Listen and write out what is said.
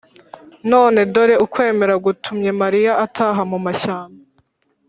none dore ukwemera gutumye mariya, ataha mumashyamba